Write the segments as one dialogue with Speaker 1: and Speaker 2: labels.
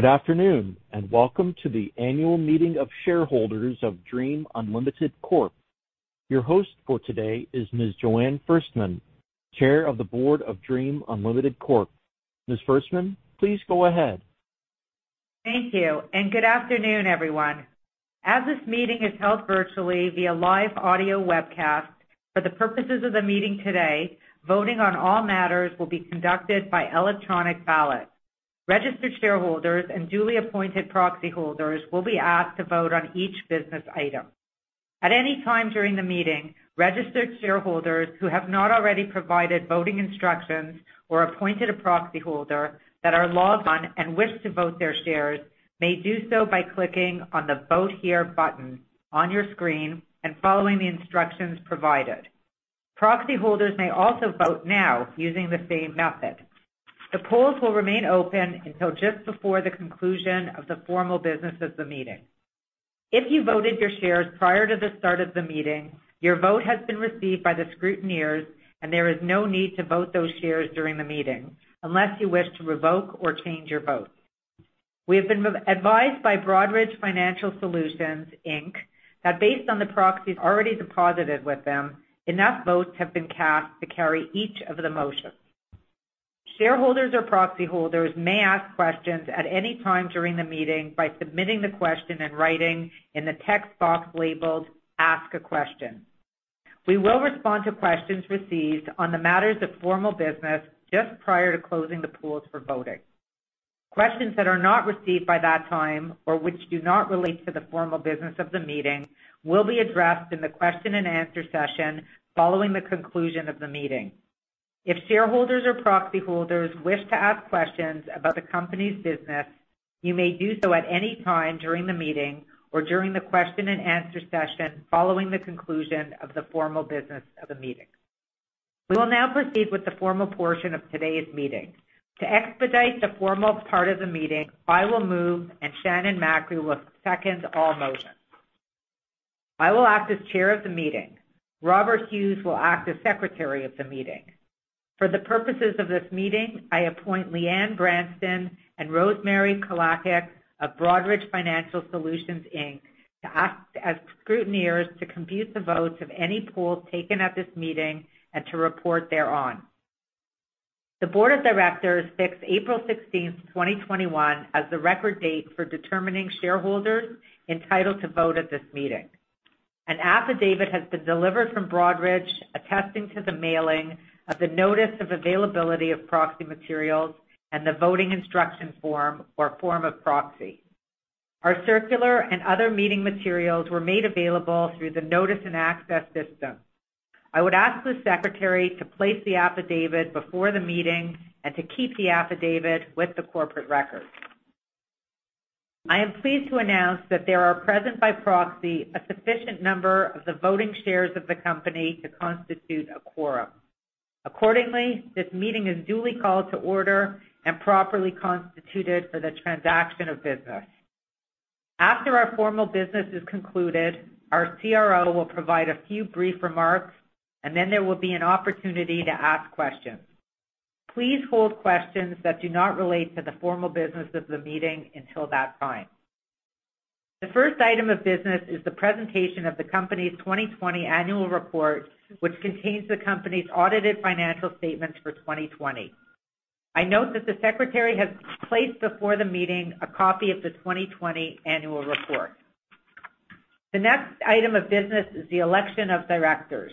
Speaker 1: Good afternoon, welcome to the annual meeting of shareholders of DREAM Unlimited Corp. Your host for today is Ms. Joanne Ferstman, Chair of the Board of DREAM Unlimited Corp. Ms. Ferstman, please go ahead.
Speaker 2: Thank you, and good afternoon, everyone. As this meeting is held virtually via live audio webcast, for the purposes of the meeting today, voting on all matters will be conducted by electronic ballot. Registered shareholders and duly appointed proxy holders will be asked to vote on each business item. At any time during the meeting, registered shareholders who have not already provided voting instructions or appointed a proxy holder that are logged on and wish to vote their shares, may do so by clicking on the Vote Here button on your screen and following the instructions provided. Proxy holders may also vote now using the same method. The polls will remain open until just before the conclusion of the formal business of the meeting. If you voted your shares prior to the start of the meeting, your vote has been received by the scrutineers, and there is no need to vote those shares during the meeting unless you wish to revoke or change your vote. We have been advised by Broadridge Financial Solutions Inc. that based on the proxies already deposited with them, enough votes have been cast to carry each of the motions. Shareholders or proxy holders may ask questions at any time during the meeting by submitting the question in writing in the text box labeled Ask a Question. We will respond to questions received on the matters of formal business just prior to closing the polls for voting. Questions that are not received by that time or which do not relate to the formal business of the meeting will be addressed in the question and answer session following the conclusion of the meeting. If shareholders or proxy holders wish to ask questions about the company's business, you may do so at any time during the meeting or during the question and answer session following the conclusion of the formal business of the meeting. We will now proceed with the formal portion of today's meeting. To expedite the formal part of the meeting, I will move, and Shannon Mackey will second all motions. I will act as chair of the meeting. Robert Hughes will act as secretary of the meeting. For the purposes of this meeting, I appoint Leanne Branston and Rosemary Kolakick of Broadridge Financial Solutions Inc. to act as scrutineers to compute the votes of any polls taken at this meeting and to report thereon. The board of directors fixed April 16th, 2021, as the record date for determining shareholders entitled to vote at this meeting. An affidavit has been delivered from Broadridge attesting to the mailing of the notice of availability of proxy materials and the voting instruction form or form of proxy. Our circular and other meeting materials were made available through the notice and access system. I would ask the secretary to place the affidavit before the meeting and to keep the affidavit with the corporate record. I am pleased to announce that there are present by proxy a sufficient number of the voting shares of the company to constitute a quorum. This meeting is duly called to order and properly constituted for the transaction of business. After our formal business is concluded, our CRO will provide a few brief remarks, and then there will be an opportunity to ask questions. Please hold questions that do not relate to the formal business of the meeting until that time. The first item of business is the presentation of the company's 2020 annual report, which contains the company's audited financial statements for 2020. I note that the secretary has placed before the meeting a copy of the 2020 annual report. The next item of business is the election of directors.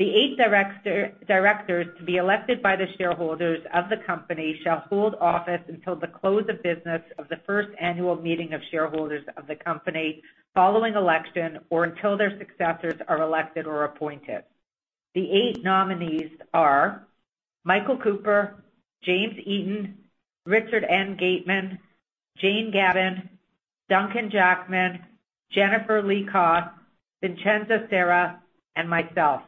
Speaker 2: The eight directors to be elected by the shareholders of the company shall hold office until the close of business of the first annual meeting of shareholders of the company following election or until their successors are elected or appointed. The eight nominees are Michael Cooper, James Eaton, Richard N. Gateman, Jane Gavan, Duncan Jackman, Jennifer Lee Koss, Vincenza Sera, and myself.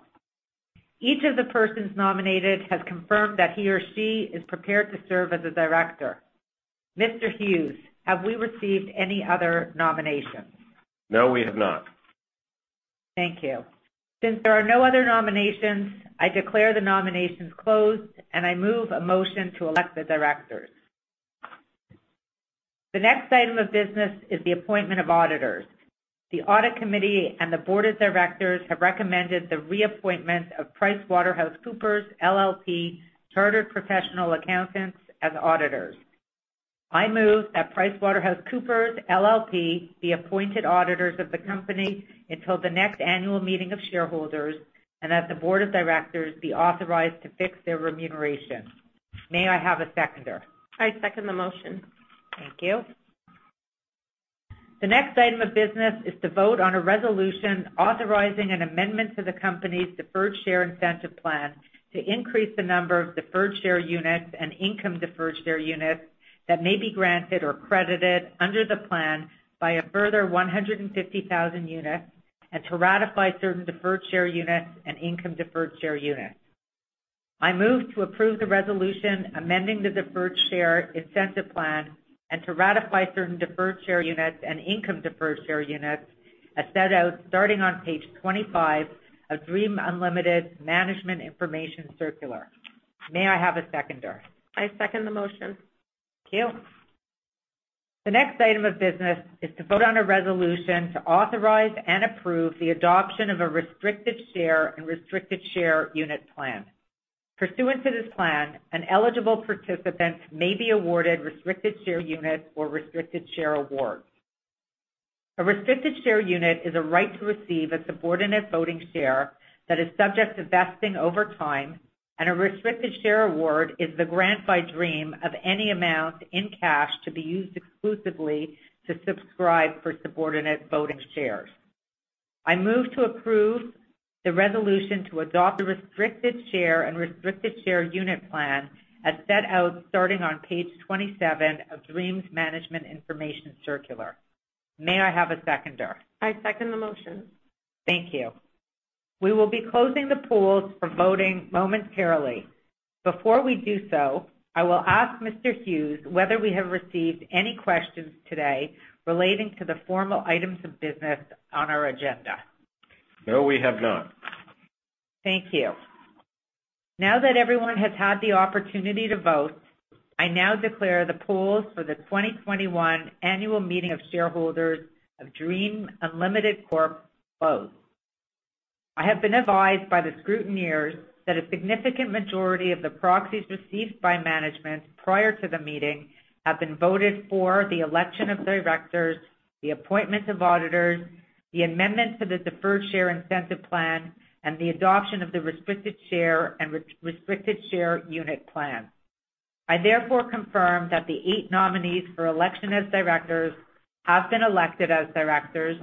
Speaker 2: Each of the persons nominated has confirmed that he or she is prepared to serve as a director. Mr. Hughes, have we received any other nominations?
Speaker 3: No, we have not.
Speaker 2: Thank you. Since there are no other nominations, I declare the nominations closed, and I move a motion to elect the directors. The next item of business is the appointment of auditors. The audit committee and the board of directors have recommended the reappointment of PricewaterhouseCoopers LLP Chartered Professional Accountants as auditors. I move that PricewaterhouseCoopers LLP be appointed auditors of the company until the next annual meeting of shareholders and that the board of directors be authorized to fix their remuneration. May I have a seconder?
Speaker 4: I second the motion.
Speaker 2: Thank you. The next item of business is to vote on a resolution authorizing an amendment to the company's Deferred Share Incentive Plan to increase the number of deferred share units and income deferred share units that may be granted or credited under the plan by a further 150,000 units and to ratify certain deferred share units and income deferred share units. I move to approve the resolution amending the Deferred Share Incentive Plan and to ratify certain deferred share units and income deferred share units as set out starting on page 25 of DREAM Unlimited Management Information Circular. May I have a seconder?
Speaker 4: I second the motion.
Speaker 2: Thank you. The next item of business is to vote on a resolution to authorize and approve the adoption of a restricted share and restricted share unit plan. Pursuant to this plan, an eligible participant may be awarded restricted share units or restricted share awards. A restricted share unit is a right to receive a subordinate voting share that is subject to vesting over time, and a restricted share award is the grant by DREAM of any amount in cash to be used exclusively to subscribe for subordinate voting shares. I move to approve the resolution to adopt the restricted share and restricted share unit plan as set out starting on page 27 of DREAM's Management Information Circular. May I have a seconder?
Speaker 4: I second the motion.
Speaker 2: Thank you. We will be closing the polls for voting momentarily. Before we do so, I will ask Mr. Hughes whether we have received any questions today relating to the formal items of business on our agenda.
Speaker 3: No, we have none.
Speaker 2: Thank you. Now that everyone has had the opportunity to vote, I now declare the polls for the 2021 annual meeting of shareholders of DREAM Unlimited Corp. closed. I have been advised by the scrutineers that a significant majority of the proxies received by management prior to the meeting have been voted for the election of directors, the appointment of auditors, the amendment to the Deferred Share Incentive Plan, and the adoption of the restricted share and restricted share unit plan. I therefore confirm that the eight nominees for election as directors have been elected as directors,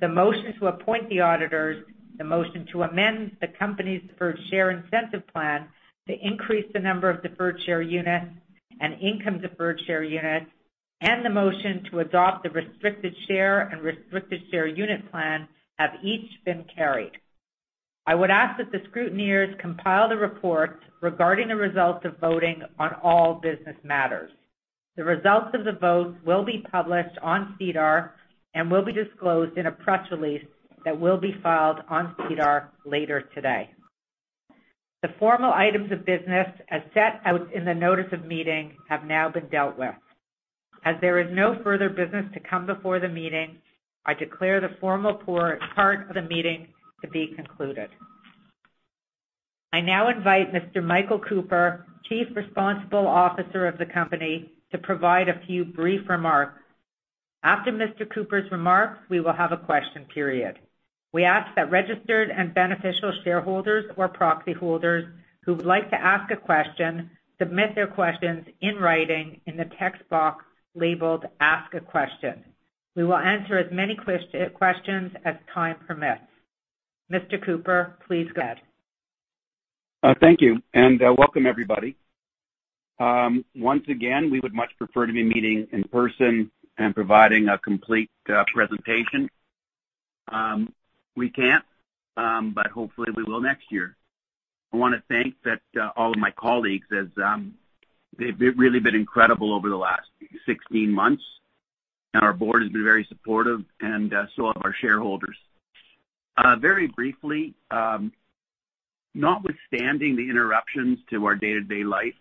Speaker 2: the motion to appoint the auditors, the motion to amend the company's Deferred Share Incentive Plan to increase the number of deferred share units and income deferred share units, and the motion to adopt the restricted share and restricted share unit plan have each been carried. I would ask that the scrutineers compile the report regarding the results of voting on all business matters. The results of the vote will be published on SEDAR and will be disclosed in a press release that will be filed on SEDAR later today. The formal items of business as set out in the notice of meeting have now been dealt with. As there is no further business to come before the meeting, I declare the formal part of the meeting to be concluded. I now invite Mr. Michael Cooper, Chief Responsible Officer of the company, to provide a few brief remarks. After Mr. Cooper's remarks, we will have a question period. We ask that registered and beneficial shareholders or proxy holders who would like to ask a question submit their questions in writing in the text box labeled Ask a Question. We will answer as many questions as time permits. Mr. Cooper, please go ahead.
Speaker 5: Thank you, and welcome everybody. Once again, we would much prefer to be meeting in person and providing a complete presentation. We can't, but hopefully, we will next year. I want to thank all of my colleagues as they've really been incredible over the last 16 months, and our board has been very supportive and so have our shareholders. Very briefly, notwithstanding the interruptions to our day-to-day life,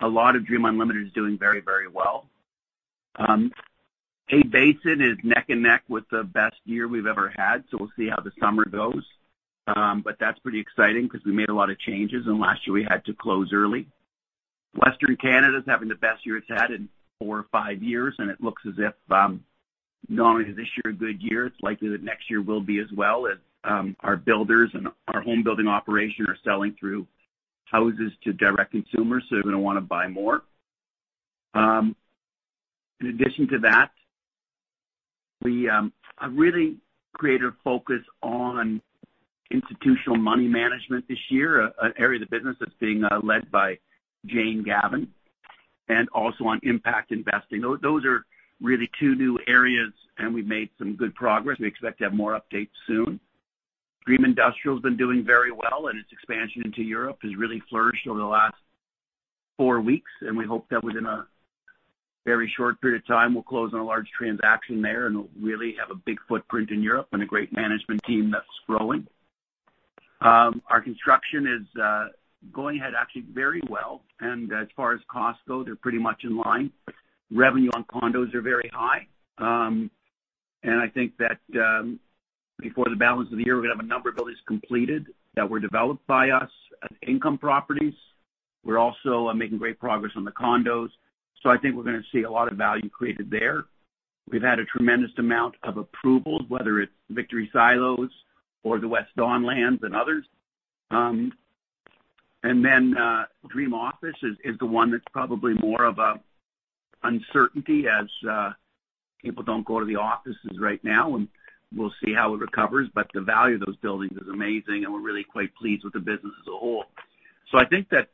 Speaker 5: a lot of DREAM Unlimited is doing very, very well. A-Basin is neck and neck with the best year we've ever had, so we'll see how the summer goes. That's pretty exciting because we made a lot of changes, and last year we had to close early. Western Canada is having the best year it's had in four or five years, it looks as if, knowing that this year a good year, it's likely that next year will be as well as our builders and our home building operation are selling through houses to direct consumers, they're going to want to buy more. In addition to that, we have really created a focus on institutional money management this year, an area of the business that's being led by Jane Gavan, and also on impact investing. Those are really two new areas, we made some good progress. We expect to have more updates soon. DREAM Industrial's been doing very well, and its expansion into Europe has really flourished over the last four weeks, and we hope that within a very short period of time, we'll close on a large transaction there and really have a big footprint in Europe and a great management team that's growing. Our construction is going ahead actually very well, and as far as costs go, they're pretty much in line. Revenue on condos are very high. I think that before the balance of the year, we have a number of buildings completed that were developed by us as income properties. We're also making great progress on the condos. I think we're going to see a lot of value created there. We've had a tremendous amount of approvals, whether it's Victory Silos or the West Don Lands and others. Dream Office is the one that's probably more of an uncertainty as people don't go to the offices right now, and we'll see how it recovers, but the value of those buildings is amazing, and we're really quite pleased with the business as a whole. I think that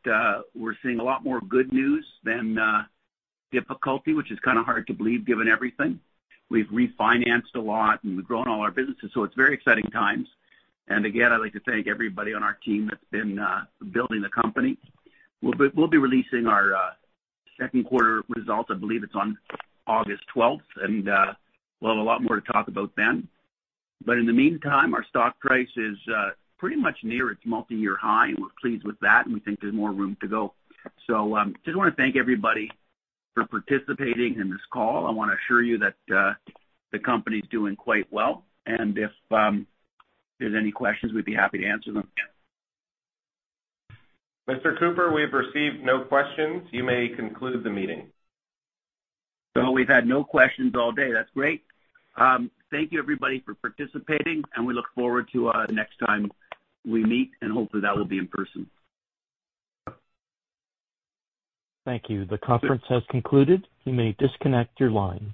Speaker 5: we're seeing a lot more good news than difficulty, which is hard to believe given everything. We've refinanced a lot and we've grown all our businesses, it's very exciting times. Again, I'd like to thank everybody on our team that's been building the company. We'll be releasing our second quarter results. I believe it's on August 12th, we'll have a lot more to talk about then. In the meantime, our stock price is pretty much near its multi-year high, we're pleased with that, we think there's more room to go. Just want to thank everybody for participating in this call. I want to assure you that the company's doing quite well. If there's any questions, we'd be happy to answer them.
Speaker 1: Mr. Cooper, we've received no questions. You may conclude the meeting.
Speaker 5: We've had no questions all day. That's great. Thank you everybody for participating, and we look forward to next time we meet, and hopefully, that will be in person.
Speaker 1: Thank you. The conference has concluded. You may disconnect your lines.